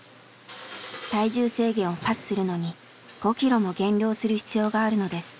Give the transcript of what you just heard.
体重制限をパスするのに５キロも減量する必要があるのです。